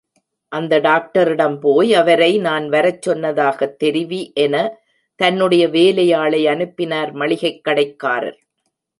அந்த டாக்டரிடம் போய், அவரை நான் வரச் சொன்னதாகத் தெரிவி என தன்னுடைய வேலையாளை அனுப்பினார் மளிகைக் கடைக்காரர்.